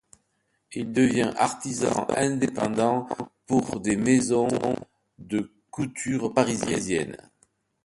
Il devient artisan indépendant pour des maisons de couture parisiennes.